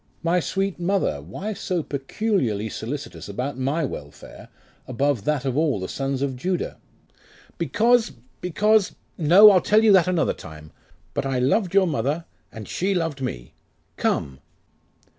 'My sweet mother, why so peculiarly solicitous about my welfare, above that of all the sons of Judah?' 'Because because No, I'll tell you that another time. But I loved your mother, and she loved me. Come!